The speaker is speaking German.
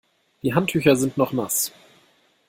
Die Handtücher sind noch nass.